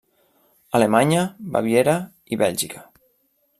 Alemanya -Baviera- i Bèlgica.